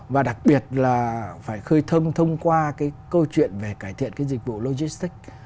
và đặc biệt là phải khơi thông thông qua cái câu chuyện về cải thiện cái dịch vụ logistics